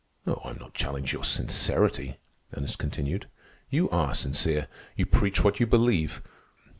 "Oh, I am not challenging your sincerity," Ernest continued. "You are sincere. You preach what you believe.